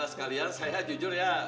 sekalian saya jujur ya